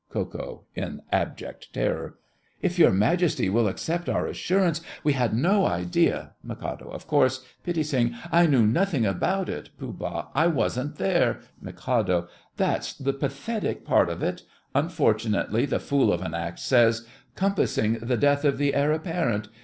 KO. (in abject terror). If your Majesty will accept our assurance, we had no idea—— MIK. Of course—— PITTI. I knew nothing about it. POOH. I wasn't there. MIK. That's the pathetic part of it. Unfortunately, the fool of an Act says "compassing the death of the Heir Apparent."